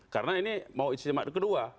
karena ini mau istimewa kedua